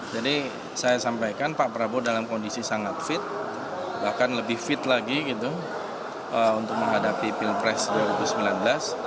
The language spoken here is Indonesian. jadi saya sampaikan pak prabowo dalam kondisi sangat fit bahkan lebih fit lagi gitu untuk menghadapi pilpres dua ribu sembilan belas